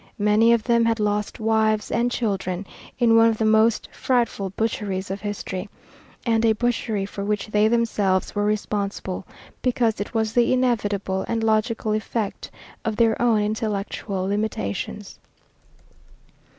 Many of them had lost wives and children in one of the most frightful butcheries of history, and a butchery for which they themselves were responsible, because it was the inevitable and logical effect of their own intellectual limitations.